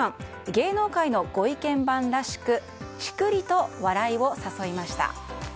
芸能界のご意見番らしくチクリと笑いを誘いました。